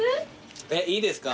えっいいですか？